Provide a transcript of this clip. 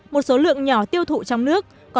một số lượng nhỏ tiêu thụ trong nước